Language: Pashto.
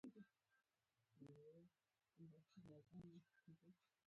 د زړه په زور یې کارونه وکړل.